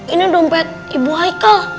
ini dompet ibu haikal